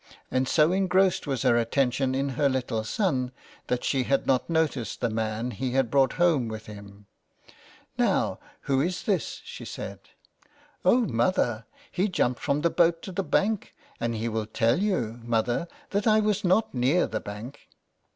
And so engrossed was her attention in her little son that she had not noticed the man he had brought home with him. Now who is this ?" she said. " Oh, mother, he jumped from the boat to the bank, and he will tell you, mother, that I was not near the bank."